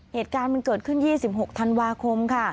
เหตุการณ์มันเกิดขึ้น๒๖ธันวาคมค่ะ